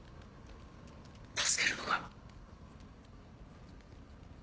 助けるのか。